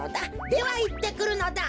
ではいってくるのだ。